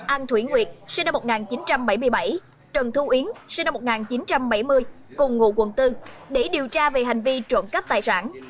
an thủy nguyệt sinh năm một nghìn chín trăm bảy mươi bảy trần thu yến sinh năm một nghìn chín trăm bảy mươi cùng ngụ quận bốn để điều tra về hành vi trộm cắp tài sản